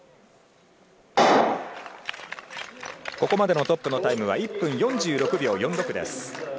ここまでのトップのタイムは１分４６秒４６。